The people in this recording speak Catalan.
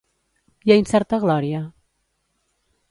I a Incerta glòria?